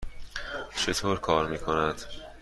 چطور کار می کند؟